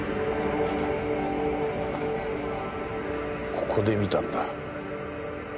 ここで見たんだ。